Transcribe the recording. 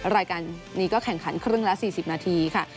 รายการนี้ก็แข่งขันครึ่งละ๔๐นาทีค่ะ